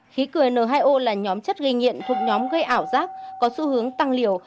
khí cười n hai o là nhóm chất gây nhiện thuộc nhóm gây ảo giác có xu hướng tăng liều